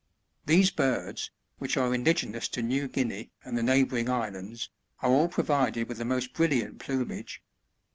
These birds, which are indigenous to New Guinea and the neighbouring islands, are all provided with the most brilliant plumage.